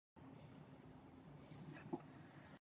It exists in its current form since the rule of Shah Abbas.